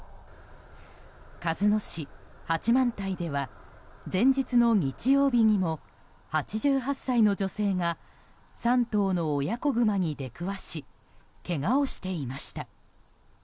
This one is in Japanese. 鹿角市八幡平では前日の日曜日にも８８歳の女性が３頭の親子グマに出くわしけがをしていました。